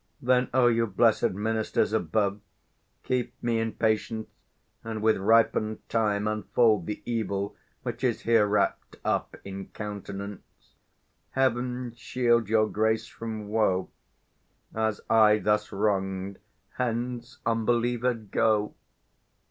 Then, O you blessed ministers above, 115 Keep me in patience, and with ripen'd time Unfold the evil which is here wrapt up In countenance! Heaven shield your Grace from woe. As I, thus wrong'd, hence unbelieved go!